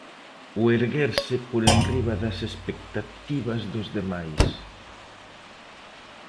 O erguerse por enriba das expectativas dos demais.